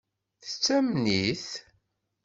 Tettamen-it?